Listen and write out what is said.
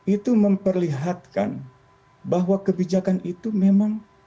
itu memperlihatkan bahwa kebijakan itu memang